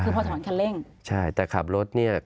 คือพอถอนคันเร่งใช่แต่ขับรถเนี่ย